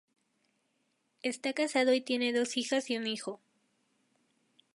Está casado y tiene dos hijas y un hijo.